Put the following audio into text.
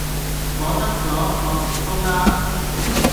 我得咗，我成功啦